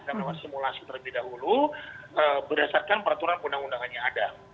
dan melakukan simulasi terlebih dahulu berdasarkan peraturan undang undangannya ada